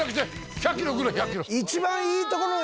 １００キロ贈れ１００キロ！